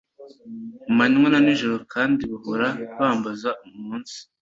manywa na nijoro kandi bahora bambaza umunsi